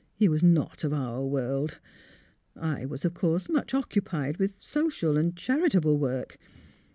He was not of our world. I was, of course, much occupied with social and charitable work.